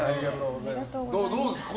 どうですか？